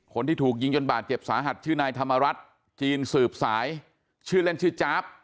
คนที่ถูกยิงจนบาดเจ็บสาหัสชื่อนายธรรมรัฐจีนสืบสายชื่อเล่นชื่อจ๊าบ